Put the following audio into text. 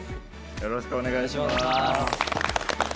よろしくお願いします。